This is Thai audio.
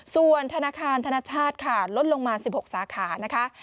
ส่วนธนาคารธนชาติค่ะลดลงมา๑๖สาขานะคะ